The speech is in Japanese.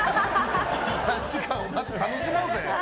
３時間をまず楽しもうぜ。